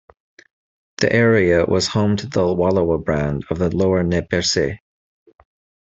The area was home to the Wallowa band of the Lower Nez Perce.